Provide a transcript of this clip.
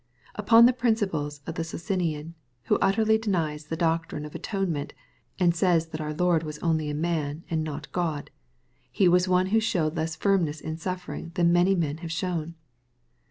— ^TJpon the principle of the Socinian, who utterly denies the doctrine of atone ment, and says that our Lord was only a man, and not God, He was one who showed less firmness in suffering than many men have shown.